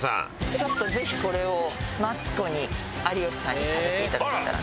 ちょっとぜひこれをマツコに有吉さんに食べていただけたら。